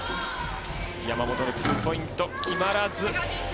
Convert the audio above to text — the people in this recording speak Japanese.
山本のツーポイント決まらず。